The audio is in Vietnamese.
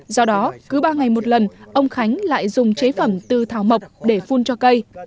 do đó cứ ba ngày một lần ông khánh lại dùng chế phẩm tư thảo mộc để phun cho cây